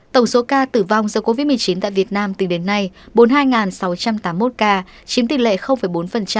tổng số ca tử vong do covid một mươi chín tại việt nam từ đến nay bốn mươi hai sáu trăm tám mươi một ca chiếm tỷ lệ bốn